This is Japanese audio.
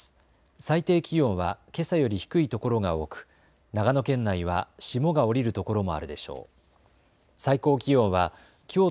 最低気温はけさより低い所が多く長野県内は霜が降りる所もあるでしょう。